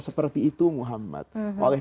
seperti itu muhammad oleh